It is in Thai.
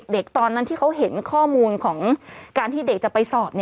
ตอนนั้นที่เขาเห็นข้อมูลของการที่เด็กจะไปสอบ